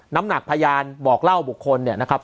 น้ำหนักพยานบอกเล่าบุคคลเนี่ยนะครับ